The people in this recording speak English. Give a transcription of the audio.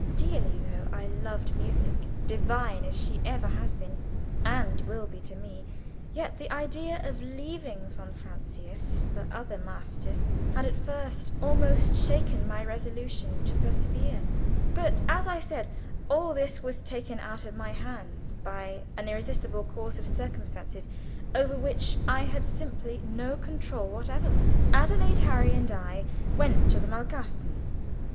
Dearly though I loved music, divine as she ever has been, and will be, to me, yet the idea of leaving von Francius for other masters had at first almost shaken my resolution to persevere. But, as I said, all this was taken out of my hands by an irresistible concourse of circumstances, over which I had simply no control whatever. Adelaide, Harry, and I went to the Malkasten.